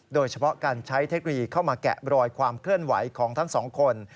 โดยเฉพาะการใช้เทคโนโลยีเข้ามาแกะรอยความเคลื่อนไหวของทั้งสองคน